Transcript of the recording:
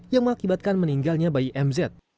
yang mengakibatkan meninggalnya bayi mz